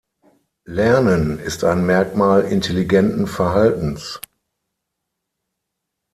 Lernen ist ein Merkmal intelligenten Verhaltens.